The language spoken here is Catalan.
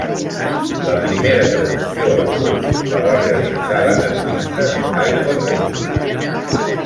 La primera traducció al rus, la va realitzar l'anarquista Mikhaïl Bakunin.